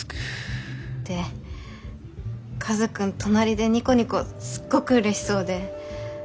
ってカズくん隣でニコニコすっごく嬉しそうで。